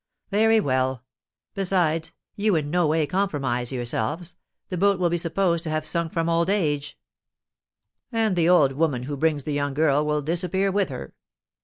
'Very well. Besides, you in no way compromise yourselves; the boat will be supposed to have sunk from old age, and the old woman who brings the young girl will disappear with her.